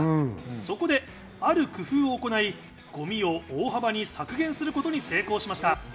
そこで、ある工夫を行い、ゴミを大幅に削減することに成功しました。